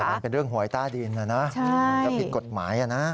มันเป็นเรื่องหวยใต้ดินนะนะมันก็ผิดกฎหมายนะ